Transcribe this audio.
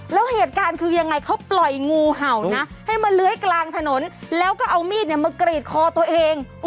แล้วเหตุการณ์คือยังไงเขาปล่อยงูเห่านะให้มาเลื้อยกลางถนนแล้วก็เอามีดมากรีดคอตัวเอง